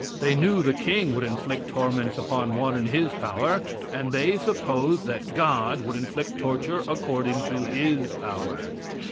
They knew the king would inflict torments upon one in his power, and they supposed that God would inflict torture according to His power.